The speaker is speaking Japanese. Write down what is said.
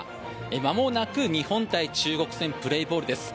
まもなく日本対中国戦プレーボールです。